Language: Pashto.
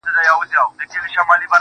ما خوب كړى جانانه د ښكلا پر ځـنــگانــه~